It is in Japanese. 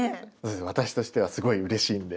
私としてはすごいうれしいんで。